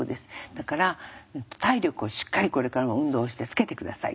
だから「体力をしっかりこれからも運動をしてつけて下さい」って。